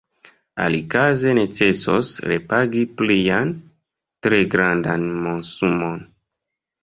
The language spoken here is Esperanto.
Alikaze necesos repagi plian, tre grandan monsumon.